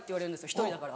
１人だから。